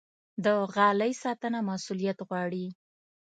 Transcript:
د غالۍ ساتنه مسوولیت غواړي.